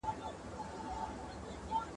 له دښتونو څخه ستون سو تش لاسونه !.